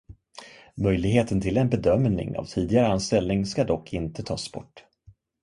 Möjligheten till en bedömning av tidigare anställning ska dock inte tas bort.